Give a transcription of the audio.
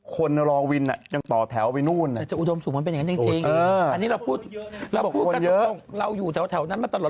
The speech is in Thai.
คนรอวินอ่ะยังต่อแถวไปนู่นอันนี้เราพูดเราพูดกันตรงเราอยู่แถวนั้นมาตลอด